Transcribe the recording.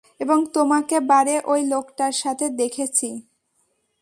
এবং তোমাকে বারে ঐ লোকটার সাথে দেখেছি।